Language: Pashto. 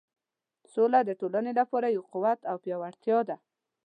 سوله د ټولنې لپاره یو قوت او پیاوړتیا ده.